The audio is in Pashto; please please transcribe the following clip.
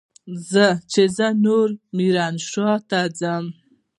چې زه نور ميرانشاه ته نه ځم.